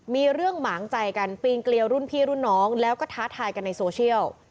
มีเรื่องหมางใจกันปีนเกลียวรุ่นพี่รุ่นน้องแล้วก็ท้าทายกันในโซเชียล